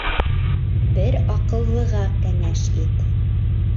Бер аҡыллыға кәңәш ит.